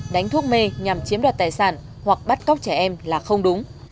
đánh thuốc mê nhằm chiếm đoạt tài sản hoặc bắt cóc trẻ em là không đúng